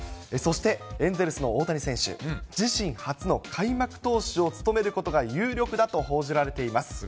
そして、エンゼルスの大谷選手、自身初の開幕投手を務めることが有力だと報じられています。